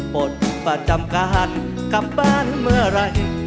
ปลดประจำการกลับบ้านเมื่อไหร่